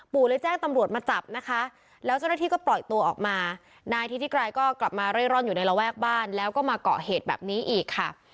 เลยแจ้งตำรวจมาจับนะคะแล้วเจ้าหน้าที่ก็ปล่อยตัวออกมานายทิศิกรัยก็กลับมาเร่ร่อนอยู่ในระแวกบ้านแล้วก็มาเกาะเหตุแบบนี้อีกค่ะ